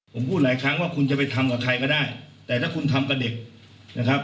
ผมพูดหลายครั้งว่าคุณจะไปทำกับใครก็ได้แต่ถ้าคุณทำกับเด็กนะครับ